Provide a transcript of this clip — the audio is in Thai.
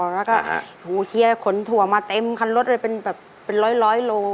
แล้วก็หูเชียร์ขนถั่วมาเต็มคันรถเลยเป็นแบบเป็นร้อยโล